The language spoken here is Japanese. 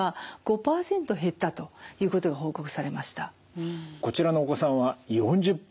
実際こちらのお子さんは４０分。